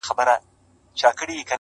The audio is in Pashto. د سرو سونډو په لمبو کي د ورک سوي یاد دی.